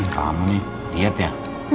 kamu diet ya